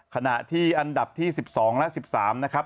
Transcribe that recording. ขณะที่อันดับที่๑๒และ๑๓นะครับ